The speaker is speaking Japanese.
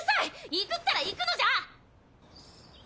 行くったら行くのじゃ！